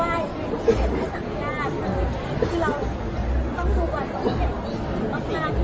หรือเปลี่ยนให้สั่งหน้าคือเราต้องดูกว่าต้องเห็นอีกมากมาก